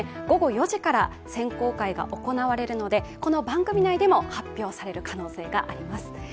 午後４時から選考会が行われるのでこの番組内でも発表される可能性があります。